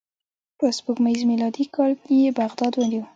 په سپوږمیز میلادي کال یې بغداد ونیو.